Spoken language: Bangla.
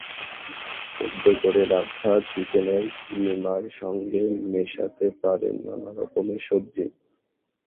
সেদ্ধ করে রাখা চিকেনের কিমার সঙ্গে মেশাতে পারেন নানা রকমের সবজি।